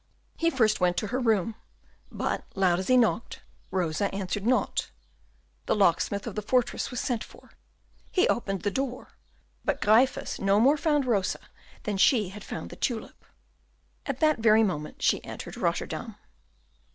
He first went to her room, but, loud as he knocked, Rosa answered not. The locksmith of the fortress was sent for; he opened the door, but Gryphus no more found Rosa than she had found the tulip. At that very moment she entered Rotterdam.